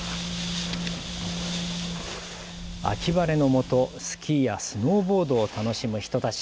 秋晴れの下、スキーやスノーボードを楽しむ人たち。